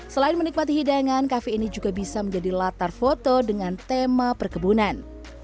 selain menikmati hidangan kafe ini juga bisa menjadi latar foto dengan tema perkebunan